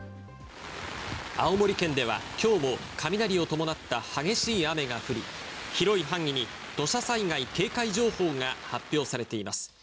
青森県では今日も雷を伴った激しい雨が降り、広い範囲に土砂災害警戒情報が発表されています。